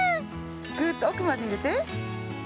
ぐっとおくまでいれて。